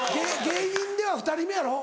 芸人では２人目やろ？